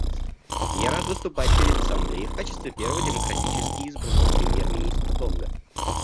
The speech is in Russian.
Я рад выступать перед Ассамблеей в качестве первого демократически избранного премьер-министра Тонга.